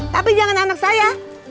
tapi jangan anak saya